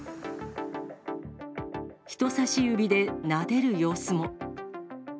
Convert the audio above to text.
人さし指でなでる様子も。